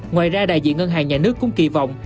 ngoài ra đại diện ngân hàng nhà nước cũng kỳ vọng